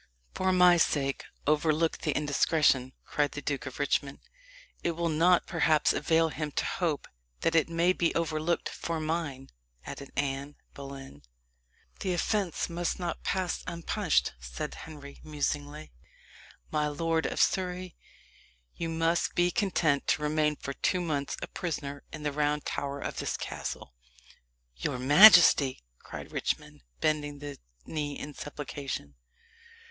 "For my sake overlook the indiscretion," cried the Duke of Richmond. "It will not, perhaps, avail him to hope that it may be overlooked for mine," added Anne Boleyn. "The offence must not pass unpunished," said Henry musingly. "My lord of Surrey, you must be content to remain for two months a prisoner in the Round Tower of this castle." "Your majesty!" cried Richmond, bending the knee in supplication.